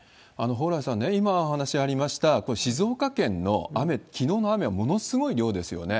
蓬莱さんね、今お話ありました、これ、静岡県の雨、きのうの雨はものすごい量ですよね。